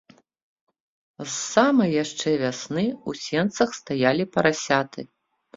З самай яшчэ вясны ў сенцах стаялі парасяты.